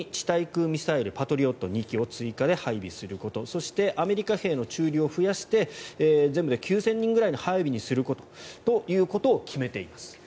対空ミサイルパトリオット２基を追加で配備することそしてアメリカ兵の駐留を増やして全部で９０００人ぐらいの配備にすることを決めています。